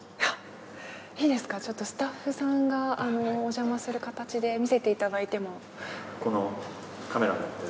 いいですかちょっとスタッフさんがおじゃまする形で見せていただいても。